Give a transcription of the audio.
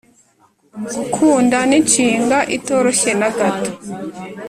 Gukunda ninshinga itoroshye nagato